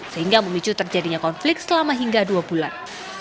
sehingga memicu terjadinya konflik selama hingga dua bulan